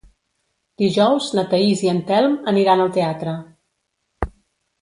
Dijous na Thaís i en Telm aniran al teatre.